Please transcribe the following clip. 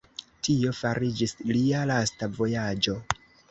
Tio fariĝis lia lasta vojaĝo.